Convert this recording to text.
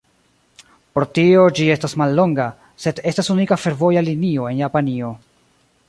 Pro tio ĝi estas mallonga, sed estas unika fervoja linio en Japanio.